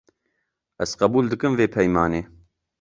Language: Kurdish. Ez qebûl dikim vê peymanê.